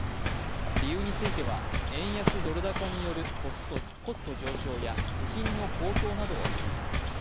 理由については、円安・ドル高によるコスト上昇や部品の高騰などを挙げています。